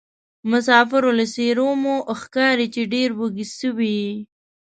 مسافرو له څېرومو ښکاري چې ډېروږي سوي یې.